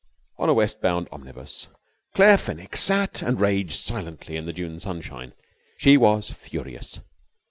3 On a west bound omnibus Claire Fenwick sat and raged silently in the June sunshine. She was furious.